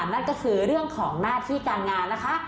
นั่นก็คือเรื่องของหน้าที่การงานนะคะ